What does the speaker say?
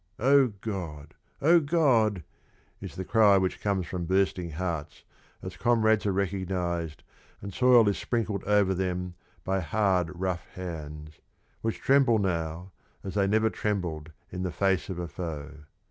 "Oh, God! oh, God!" is the cry which comes from bursting hearts as comrades are recognised, and soil is sprinkled over them by hard, rough hands, which tremble now as they never trembled in the face of a foe.